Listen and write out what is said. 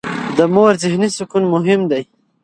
د مور ذهني سکون مهم دی.